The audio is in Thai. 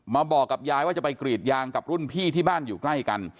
บอกกับยายว่าจะไปกรีดยางกับรุ่นพี่ที่บ้านอยู่ใกล้กัน